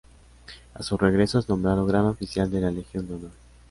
A su regreso, es nombrado gran oficial de la Legión de Honor.